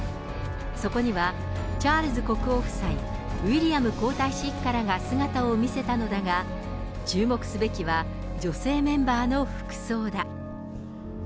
そこには、チャールズ国王夫妻、ウィリアム皇太子一家らが姿を見せたのだが、注目すべきは女性メンバーの服装だ。